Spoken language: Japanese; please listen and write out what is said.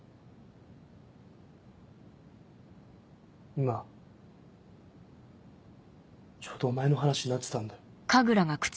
今ちょうどお前の話になってたんだよ。